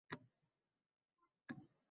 Onam bizni shu hujraga hech yo‘latmasdi.